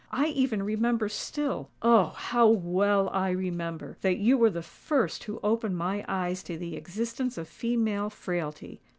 "I even remember still—oh! how well I remember—that you were the first who opened my eyes to the existence of female frailty.